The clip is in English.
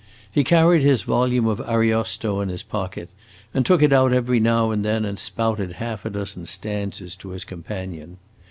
He carried his volume of Ariosto in his pocket, and took it out every now and then and spouted half a dozen stanzas to his companion.